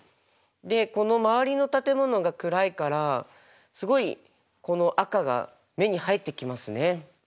でこの周りの建物が暗いからすごいこの赤が目に入ってきますね。